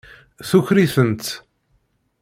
Tuker-itent.